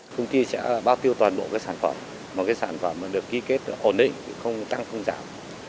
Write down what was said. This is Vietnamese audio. công ty sẽ bao tiêu toàn bộ các sản phẩm mà các sản phẩm được ký kết ổn định không tăng không giảm